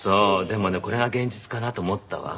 でもねこれが現実かなと思ったわ。